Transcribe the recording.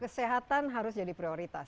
kesehatan harus jadi prioritas